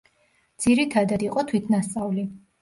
ძირითადად იყო თვითნასწავლი.